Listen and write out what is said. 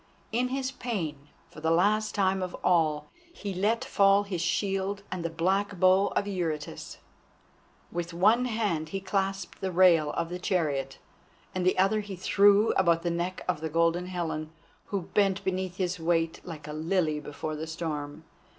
In his pain, for the last time of all, he let fall his shield and the black bow of Eurytus. With one hand he clasped the rail of the chariot and the other he threw about the neck of the Golden Helen, who bent beneath his weight like a lily before the storm.